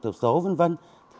tổ số vân vân